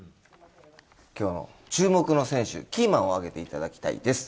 きょうの注目の選手、キーマンを挙げていただきたいです。